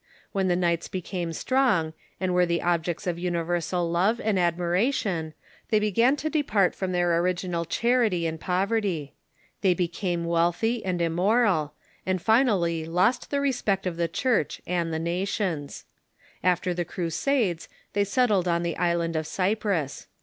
When the knights became strong, and were the objects of universal love and admiration, they began to depart from their original charity and poverty. They became wealthy and immoral, and finally lost the respect of the Church and the nations. After the Crusades they settled on the island of Cyprus.